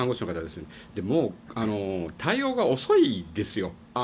もう対応が遅いですよ。